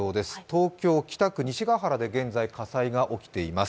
東京・北区西ヶ原で現在火災が起きています。